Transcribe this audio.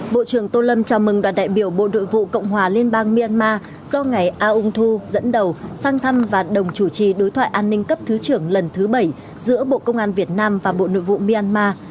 bộ trưởng tô lâm chào mừng đoàn đại biểu bộ nội vụ cộng hòa liên bang myanmar do ngài aung thu dẫn đầu sang thăm và đồng chủ trì đối thoại an ninh cấp thứ trưởng lần thứ bảy giữa bộ công an việt nam và bộ nội vụ myanmar